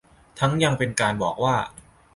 ทั้งยังเป็นการบอกว่า